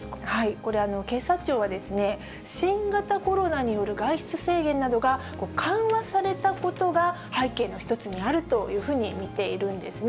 これ、警察庁は、新型コロナによる外出制限などが緩和されたことが、背景の一つにあるというふうに見ているんですね。